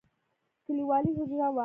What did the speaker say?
کليوالي حجره وه.